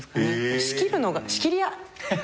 仕切るのが仕切り屋。